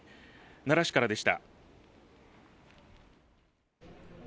奈良市からでした。